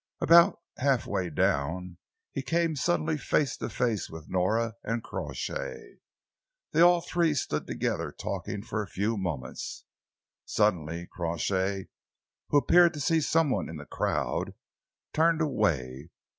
About half way down, he came suddenly face to face with Nora and Crawshay. They all three stood together, talking, for a few moments. Suddenly Crawshay, who appeared to see some one in the crowd, turned away.